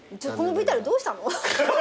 このＶＴＲどうしたの？